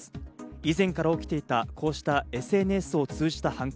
以前から起きていたこうしたＳＮＳを通じた犯行。